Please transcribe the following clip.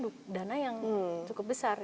fasilitas itu membutuhkan dana yang cukup besar